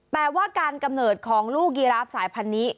แต่ว่าการกำเนิดของลูกยีราฟสายพันธุ์นี้